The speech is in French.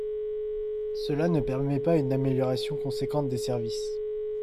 Cela ne permet pas une amélioration conséquente des services.